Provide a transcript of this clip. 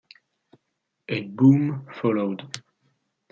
A boom followed.